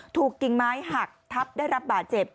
กิ่งไม้หักทับได้รับบาดเจ็บ